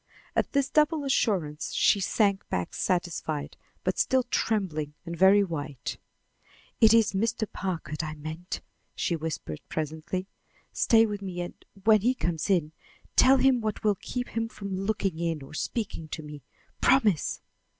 At this double assurance, she sank back satisfied, but still trembling and very white. "It is Mr. Packard I meant," she whispered presently. "Stay with me and, when he comes in, tell him what will keep him from looking in or speaking to me. Promise!"